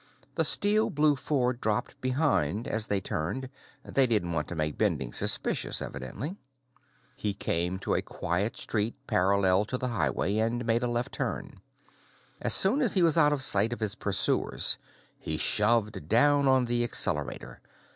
The steel blue Ford dropped behind as they turned; they didn't want to make Bending suspicious, evidently. He came to a quiet street parallel to the highway and made a left turn. As soon as he was out of sight of his pursuers, he shoved down on the accelerator.